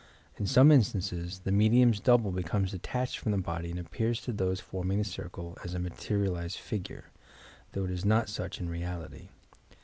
In some in Btances, the medium's double becomes detached from the body and appears to those forming the circle as a ma terialized figure, though it is not sueh in reality.